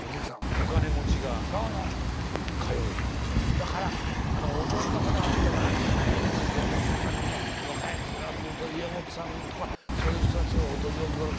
だから踊りの方だったら花柳の家元さんね若柳さんの家元さんとかそういう人たちが踊りをご披露する。